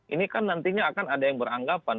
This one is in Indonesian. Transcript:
ini kan nantinya akan ada yang beranggapan